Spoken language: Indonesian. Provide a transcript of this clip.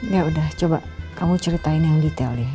yaudah coba kamu ceritain yang detail ya